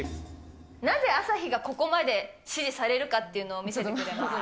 なぜ朝日がここまで支持されるかっていうのを見せてもらいますよ。